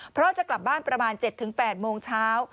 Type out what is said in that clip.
เพราะจะกลับบ้านประมาณ๗๘โมงเช้า